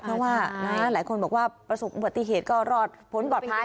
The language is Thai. เพราะว่าหลายคนบอกว่าประสบอุบัติเหตุก็รอดผลปลอดภัย